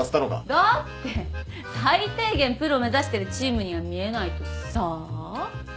だって最低限プロ目指してるチームには見えないとさあ。